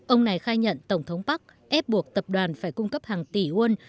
ông này khai nhận tổng thống park ép buộc tập đoàn phải cung cấp hàng tỷ won